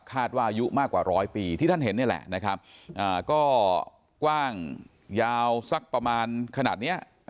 อายุมากกว่าร้อยปีที่ท่านเห็นนี่แหละนะครับก็กว้างยาวสักประมาณขนาดเนี้ย